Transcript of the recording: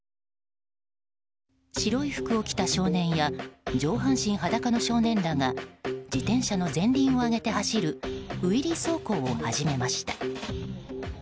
白い服を着た少年や上半身裸の少年らが自転車の前輪を上げて走るウィリー走行を始めました。